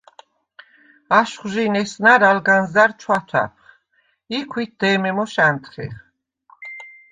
აშხვჟი̄ნ ესნა̈რ ალ განზა̈რ ჩვათვა̈ფხ ი ქვით დე̄მე მოშ ა̈ნთხეხ.